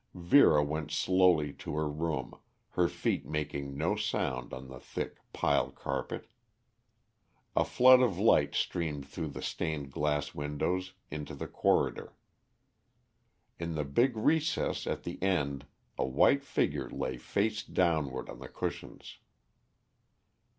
Vera went slowly to her room, her feet making no sound on the thick pile carpet. A flood of light streamed through the stained glass windows into the corridor. In the big recess at the end a white figure lay face downward on the cushions.